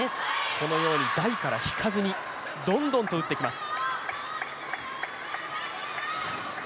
このように台から引かずに、どんどんと打ってきます。